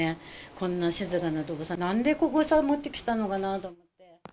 こんな静かなとこさ、なんでここさ持ってきたのかなと思って。